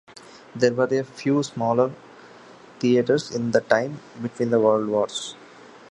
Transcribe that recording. There were a few smaller theatres in the time between the world wars.